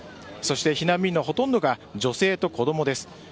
そして避難民のほとんどが女性と子供です。